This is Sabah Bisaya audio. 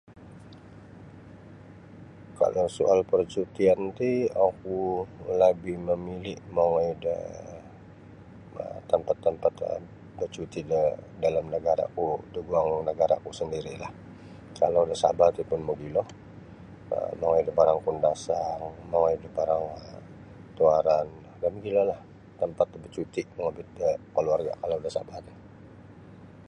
Kalau soal parcutian ti oku labih mamili mongoi da um tampat tampat bacuti da dalam nagara ku da guang nagara ku sendiri lah kalau da sabah ti pun magilo um mongoi da barang kundasang mongoi da barang tuaran magilo lah tampat bacuti mongobit da kaluarga kalau da Sabah ti.